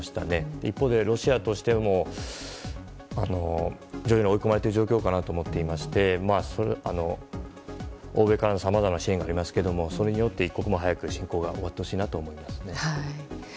一方でロシアとしても追い込まれている状況かと思いまして欧米からさまざまな支援がありますがそれよりも早く終わってほしいと思いますね。